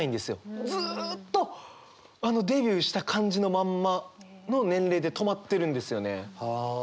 ずっとデビューした感じのまんまの年齢で止まってるんですよね。